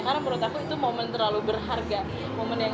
karena menurut aku itu momen yang terlalu berharga antara aku sama reza di music